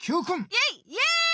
イエイイエーイ！